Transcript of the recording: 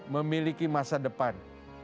memiliki masa depan